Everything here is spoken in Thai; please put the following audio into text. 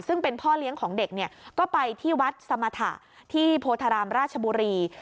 ซึ่งเป็นพ่อเลี้ยงของเด็กเนี่ยก็ไปที่วัดสมรรถะที่โพธารามราชบุรี